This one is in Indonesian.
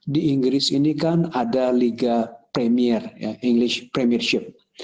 di inggris ini kan ada liga premier english premiership